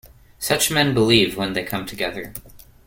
Such men believe, when they come together.